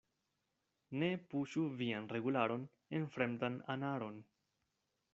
Ne puŝu vian regularon en fremdan anaron.